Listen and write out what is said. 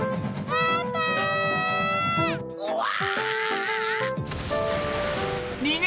うわ！